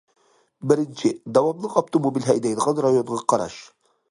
بىرىنچى، داۋاملىق ئاپتوموبىل ھەيدەيدىغان رايونىغا قاراش.